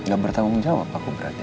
gak bertanggung jawab aku berani